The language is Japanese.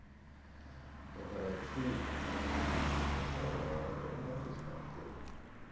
だからつい餌をあげたくなってしまって。